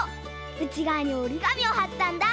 うちがわにおりがみをはったんだ。